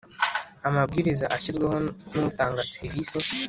amabwiriza ashyizweho n’ utanga serivisi